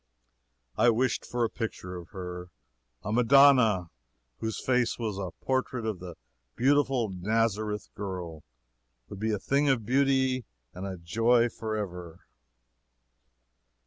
I wished for a picture of her. A Madonna, whose face was a portrait of that beautiful Nazareth girl, would be a 'thing of beauty' and 'a joy forever.'"